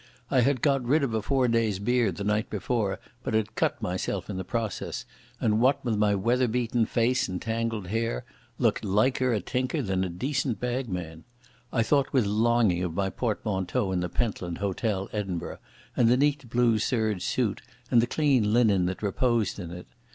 I had got rid of a four days' beard the night before, but had cut myself in the process, and what with my weather beaten face and tangled hair looked liker a tinker than a decent bagman. I thought with longing of my portmanteau in the Pentland Hotel, Edinburgh, and the neat blue serge suit and the clean linen that reposed in it.